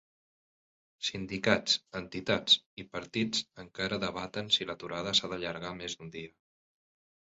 Sindicats, entitats i partits encara debaten si l'aturada s'ha d'allargar més d'un dia.